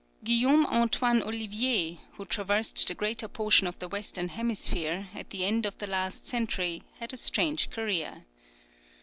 Guillaume Antoine Olivier, who traversed the greater portion of the Western hemisphere, at the end of the last century, had a strange career.